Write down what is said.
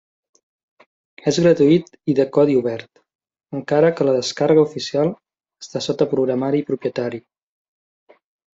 És gratuït i de codi obert, encara que la descàrrega oficial està sota programari propietari.